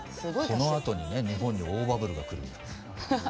このあとにね日本に大バブルがくるという。